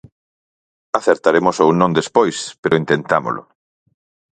Acertaremos ou non despois, pero intentámolo.